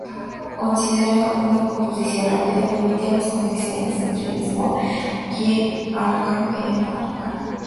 Considerada una composición rápida, permitía las conexiones entre Lisboa y el Algarve, en Portugal.